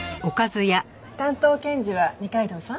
担当検事は二階堂さん？